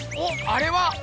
あれは。